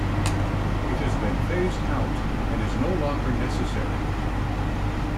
It has been phased out and is no longer necessary.